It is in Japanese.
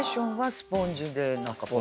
スポンジで。